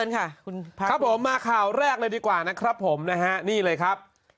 ครับมาข่าวแรกดีกว่านี่เลยครับ